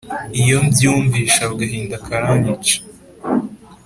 Iyo byumvishe agahinda karanyica